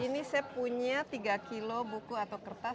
ini saya punya tiga kilo buku atau kertas